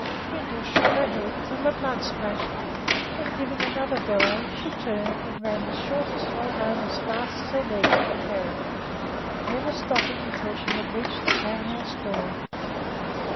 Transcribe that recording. Brindle shook her head till the blood splashed; then, giving another bellow, she turned and ran the shortest way home as fast as her legs could carry her, never stopping until she had reached the cow house door.